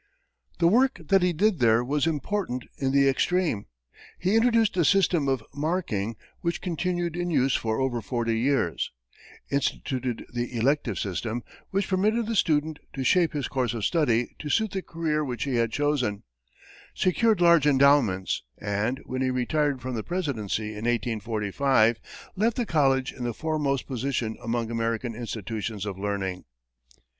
The work that he did there was important in the extreme. He introduced the system of marking which continued in use for over forty years; instituted the elective system, which permitted the student to shape his course of study to suit the career which he had chosen; secured large endowments, and, when he retired from the presidency in 1845, left the college in the foremost position among American institutions of learning.